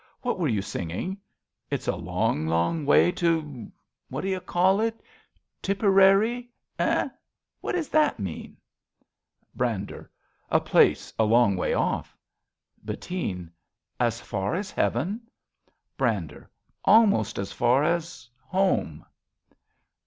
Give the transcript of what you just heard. What were you singing ?" It's a long, long way To ' what d'you call it ? Tipperary ? eh? What does that mean? Brander. A place a long way off. Bettine. As far as heaven? Brander. Almost as far as — home.